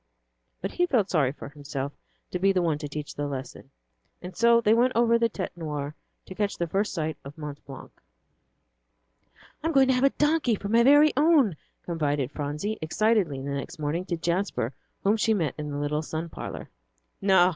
But he felt sorry for himself to be the one to teach the lesson. And so they went over the Tête Noire to catch the first sight of Mont Blanc. "I'm going to have a donkey for my very own," confided Phronsie, excitedly, the next morning, to Jasper, whom she met in the little sun parlour. "No!"